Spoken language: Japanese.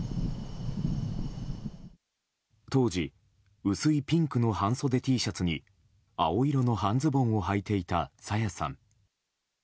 当時薄いピンクの半袖Ｔシャツに青色の半ズボンをはいていた朝芽さん。